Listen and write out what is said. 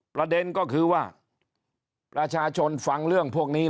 ประเด็นก็คือว่าประชาชนฟังเรื่องพวกนี้